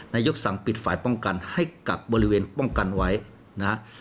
สั่งปิดฝ่ายป้องกันให้กักบริเวณป้องกันไว้นะฮะ